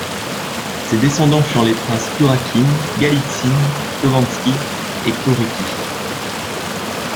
Ses descendants furent les Princes Kurakin, Galitzine, Khovansky et Korecki.